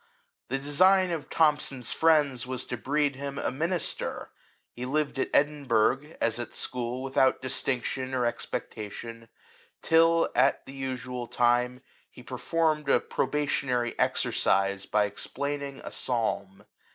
The design of Thomson's friends was to breed him a minister. He lived at Edin burgh, as at school, without distinction or expectation, till, at the usual time, he per formed a probationary exercise by explain ing a psalm.